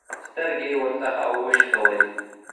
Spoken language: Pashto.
سترګې يې ورڅخه وشکولې.